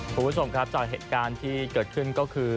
คุณผู้ชมครับจากเหตุการณ์ที่เกิดขึ้นก็คือ